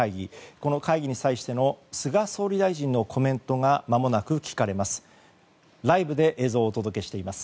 この会議に際しての菅総理大臣のコメントがまもなく聞かれます。